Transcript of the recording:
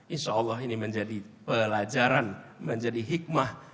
insyaallah ini menjadi pelajaran menjadi hikmah